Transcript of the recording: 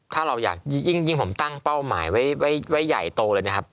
ถ้าเราอยากยิ่งผมตั้งเป้าหมายไว้ใหญ่โตเลยนะครับ